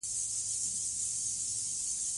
د درد درملنې لپاره سپورت غوره انتخاب دی.